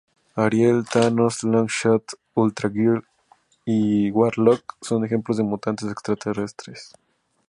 Ariel, Thanos, Longshot, Ultra Girl, y Warlock son ejemplos de mutantes extraterrestres.